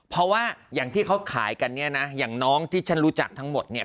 เพราะว่าอย่างที่เขาขายกันเนี่ยนะอย่างน้องที่ฉันรู้จักทั้งหมดเนี่ย